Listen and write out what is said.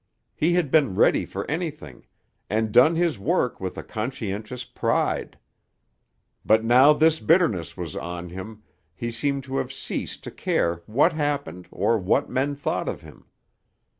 He had been ready for anything, and done his work with a conscientious pride. But now this bitterness was on him, he seemed to have ceased to care what happened or what men thought of him.